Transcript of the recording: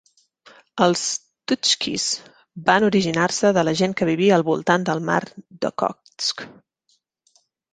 Els txuktxis van originar-se de la gent que vivia al voltant del mar d'Okhotsk.